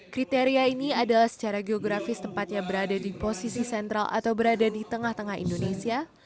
kriteria ini adalah secara geografis tempatnya berada di posisi sentral atau berada di tengah tengah indonesia